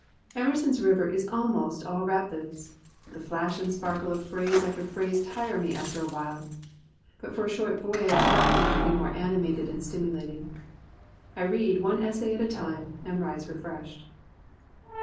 Emerson's river is almost all rapids. The flash and sparkle of phrase after phrase tire me after a while. But for a short voyage nothing could be more animated and stimulating. I read one essay at a time and rise refreshed.